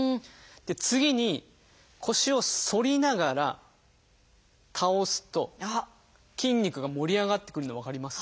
で次に腰を反りながら倒すと筋肉が盛り上がってくるの分かりますか？